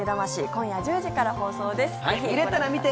今夜１０時から放送です。